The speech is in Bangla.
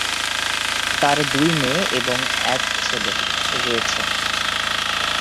তার দুই মেয়ে এবং এক ছেলে রয়েছে।